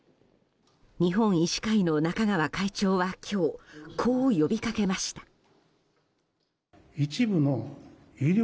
日本医師会の中川会長は今日こう呼びかけました。